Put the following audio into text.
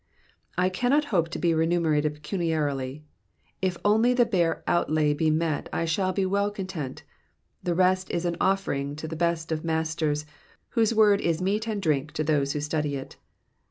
I cannot hope to be remunerated pecuniarily ; if only the bare out lay be met I shall be well content, the rest is an offering to the best of Masters, whose word is meat and drink to those who study it.